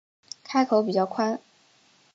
开口比较宽